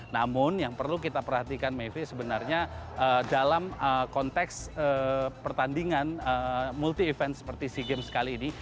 namun yang perlu kita perhatikan mevri sebenarnya dalam konteks pertandingan multi event seperti sea games kali ini